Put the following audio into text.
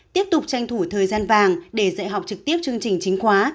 tiếp tục tranh thủ thời gian vàng để dạy học trực tiếp chương trình chính khóa